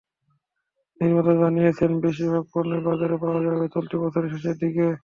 নির্মাতারা জানিয়েছেন, বেশির ভাগ পণ্যই বাজারে পাওয়া যাবে চলতি বছরের শেষের দিকে।